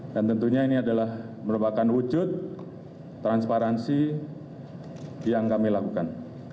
dan tentunya ini adalah merupakan wujud transparansi yang kami lakukan